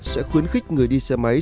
sẽ khuyến khích người đi xe máy